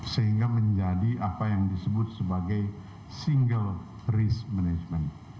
sehingga menjadi apa yang disebut sebagai single risk management